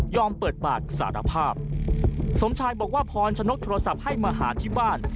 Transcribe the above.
เปิดปากสารภาพสมชายบอกว่าพรชนกโทรศัพท์ให้มาหาที่บ้าน